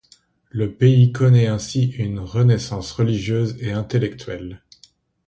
Le pays connait ainsi une renaissance religieuse et intellectuelle.